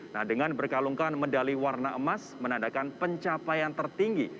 nah dengan berkalungkan medali warna emas menandakan pencapaian tertinggi